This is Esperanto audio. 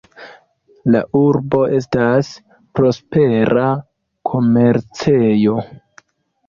La urbo estas prospera komercejo.